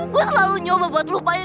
kita lihat dulu deh